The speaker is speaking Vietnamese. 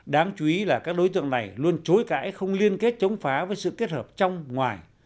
đáng chú ý là các đối tượng này luôn chối cãi không liên kết chống phá với sự kết hợp trong ngoài